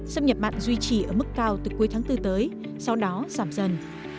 xâm nhập mặn duy trì ở mức cao từ cuối tháng bốn tới sau đó giảm dần